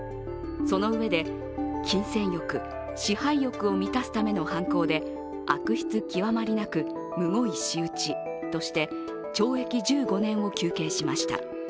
そのうえで、金銭欲、支配欲を満たすための犯行で悪質極まりなくむごい仕打ちとして懲役１５年を求刑しました。